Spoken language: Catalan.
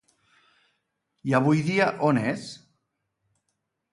I avui dia on és?